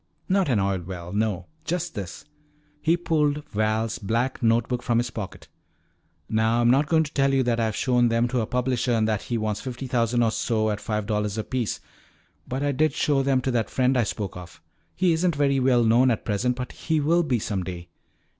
"Not an oil well, no. Just this " He pulled Val's black note book from his pocket. "Now I am not going to tell you that I have shown them to a publisher and that he wants fifty thousand or so at five dollars apiece. But I did show them to that friend I spoke of. He isn't very well known at present but he will be some day.